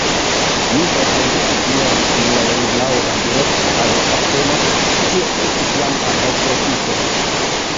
Mi forkondukis miajn kunulojn laŭ la direkto al Ateno: tio estis jam antaŭprofito.